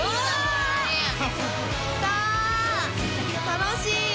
楽しい！